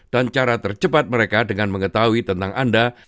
dan cara tercepat mereka dengan mengetahui tentang anda